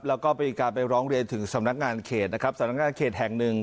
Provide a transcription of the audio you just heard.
แล้วก็มีการไปร้องเรียนถึงสำนักงานเขตนะครับสำนักงานเขตแห่งหนึ่ง